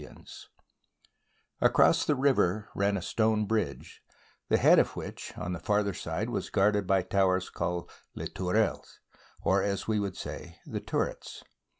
SIEGE OF ORLEANS Across the river ran a stone bridge, the head of which on the farther side was guarded by towers called Les Tourelles, or as we should say, ' The Turrets."